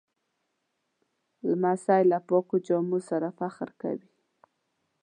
لمسی له پاکو جامو سره فخر کوي.